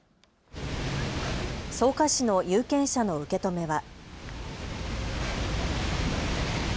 草加市の有権者の受け止めは。